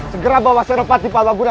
segera bawa senopati falaguna